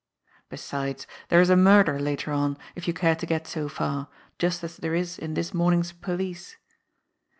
Besides, there is a murder later on, if you care to get so far, just as there is in this morning's " Police."